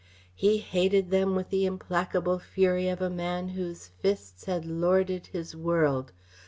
He hated them with the implacable fury of a man whose fists had lorded his world.